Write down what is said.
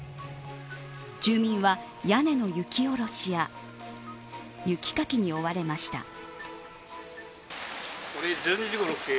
住民は、屋根の雪下ろしや雪かきに追われました。